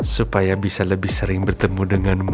supaya bisa lebih sering bertemu dengan kamu